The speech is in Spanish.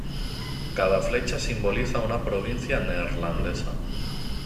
Cada flecha simboliza una provincia neerlandesa.